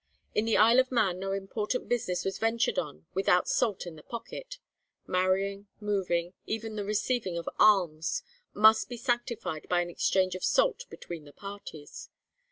In the Isle of Man no important business was ventured on without salt in the pocket; marrying, moving, even the receiving of alms, must be sanctified by an exchange of salt between the parties.